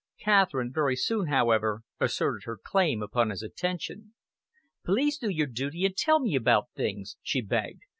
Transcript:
Catherine very soon, however, asserted her claim upon his attention. "Please do your duty and tell me about things," she begged.